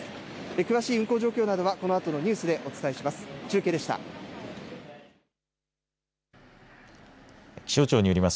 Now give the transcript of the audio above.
詳しい運行状況などはこのあとのニュースでお伝えします。